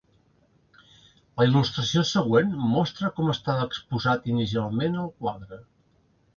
La il·lustració següent mostra com estava exposat inicialment el quadre.